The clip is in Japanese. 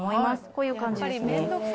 こういう感じですね。